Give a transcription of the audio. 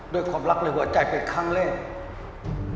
ด้วยความรักในหัวใจเป็นขงเล่น